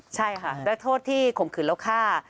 ใช่ค่ะและโทษที่ข่มขืนแล้วฆ่า